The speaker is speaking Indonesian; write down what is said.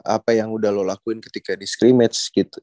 apa yang udah lo lakuin ketika di sclimate gitu